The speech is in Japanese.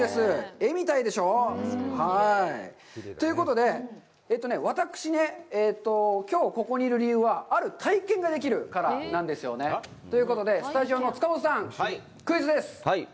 絵みたいでしょう？ということで、私ね、きょう、ここにいる理由は、ある体験ができるからなんですよね。ということで、スタジオの塚本さん、クイズです！